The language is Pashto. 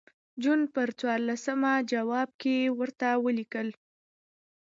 جون پر څوارلسمه جواب کې ورته ولیکل.